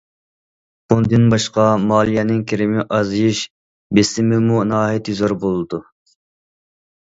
بۇندىن باشقا، مالىيەنىڭ كىرىمى ئازىيىش بېسىمىمۇ ناھايىتى زور بولىدۇ.